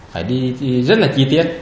phải đi rất là chi tiết